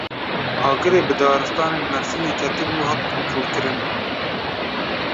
Agirê bi daristanên Mêrsînê ketibû, hat kontrolkirin.